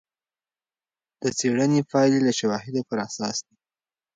د څېړنې پایلې د شواهدو پر اساس دي.